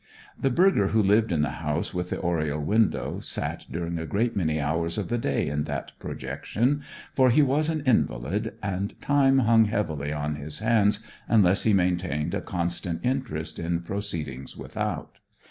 The burgher who lived in the house with the oriel window sat during a great many hours of the day in that projection, for he was an invalid, and time hung heavily on his hands unless he maintained a constant interest in proceedings without.